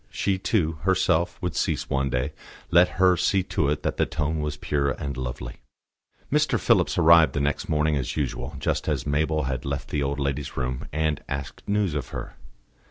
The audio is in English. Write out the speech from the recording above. She, too, herself would cease one day, let her see to it that the tone was pure and lovely. Mr. Phillips arrived the next morning as usual, just as Mabel had left the old lady's room, and asked news of her.